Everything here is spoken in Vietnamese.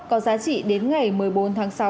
có giá trị đến ngày một mươi bốn tháng sáu